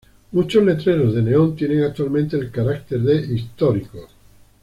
Muchos letreros de neón tienen actualmente el carácter de históricos.